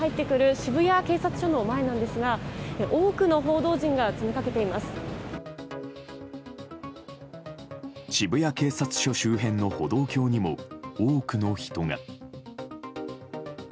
渋谷警察署周辺の歩道橋にも多くの人が。